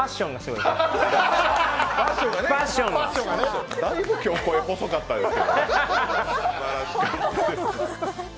だいぶ、今日声細かったですよ。